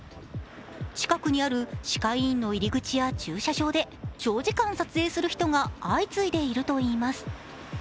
近くにある歯科医院の入り口や駐車場で長時間撮影する人が相次いでいるといいます。